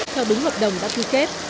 theo đúng hợp đồng đã ký kết